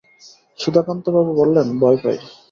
সুধাকান্তবাবু বললেন, ভয় পাই।